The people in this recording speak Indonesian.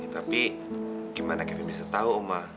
tapi gimana kevin bisa tahu oma